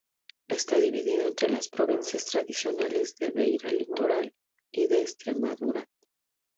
Está dividido entre las provincias tradicionales de Beira Litoral y de Estremadura.